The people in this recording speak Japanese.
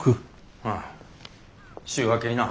うん週明けにな。